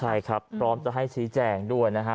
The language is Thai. ใช่ครับพร้อมจะให้ชี้แจงด้วยนะฮะ